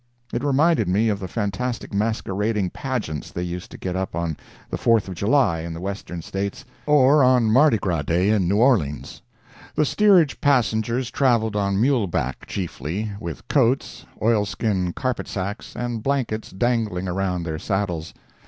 It reminded me of the fantastic masquerading pageants they used to get up on the Fourth of July in the Western States, or on Mardigras Day in New Orleans. The steerage passengers travelled on muleback, chiefly, with coats, oil skin carpet sacks, and blankets dangling around their saddles.